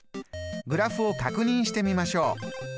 グラフを確認してみましょう。